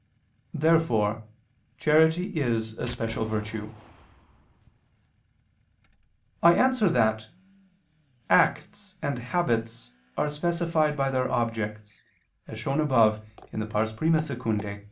Therefore charity is a special virtue. I answer that, Acts and habits are specified by their objects, as shown above (I II, Q.